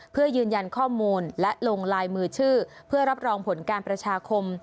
เพื่อยืนยันข้อมูลและลงลายมือชื่อเพื่อรับรองผลการประชาคม